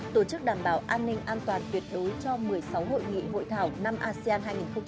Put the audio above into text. tổ chức đảm bảo an ninh an toàn tuyệt đối cho một mươi sáu hội nghị hội thảo năm asean hai nghìn hai mươi